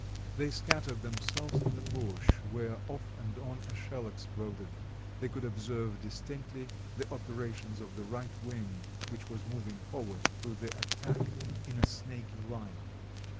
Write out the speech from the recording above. They scattered themselves in the bush, where off and on a shell exploded ; they could observe distinctly the operations of the right wing, which was moving forward to the attack in a snaky line.